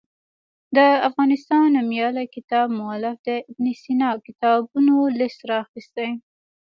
د افغانستان نومیالي کتاب مولف د ابن سینا کتابونو لست راخیستی.